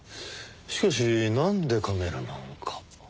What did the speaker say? しかしなんでカメラなんか。